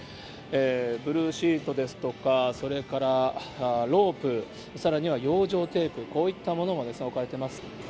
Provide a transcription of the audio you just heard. ブルーシートですとか、それからロープ、さらには養生テープ、こういったものも置かれてます。